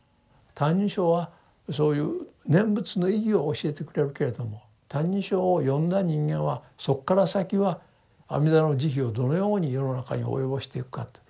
「歎異抄」はそういう念仏の意義を教えてくれるけれども「歎異抄」を読んだ人間はそこから先は阿弥陀の慈悲をどのように世の中に及ぼしていくかと。